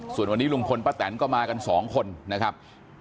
ส่วนวันนี้ลุงพลป้าแตนก็มากันสองคนนะครับ